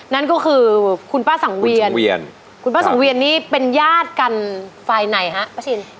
นั่นก็คือคุณป้าสังเวียนเนี่ยเป็นญาติกันพายไหนฮะป้าชิน